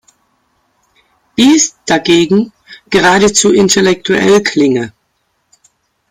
Beast" dagegen geradezu intellektuell klinge.